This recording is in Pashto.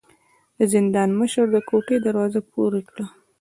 د زندان مشر د کوټې دروازه پورې کړه.